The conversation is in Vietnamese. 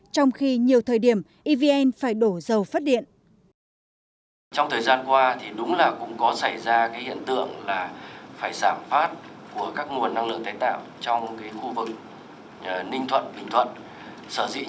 trong khi nhiều thời điểm evn phải đổ dầu phát điện